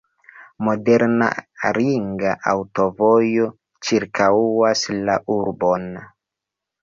Moderna ringa aŭtovojo ĉirkaŭas la urbon.